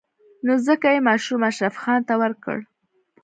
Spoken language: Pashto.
نو ځکه يې ماشوم اشرف خان ته ورکړ.